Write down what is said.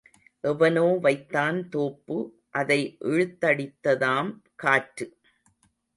எவனோ வைத்தான் தோப்பு அதை இழுத்தடித்ததாம் காற்று.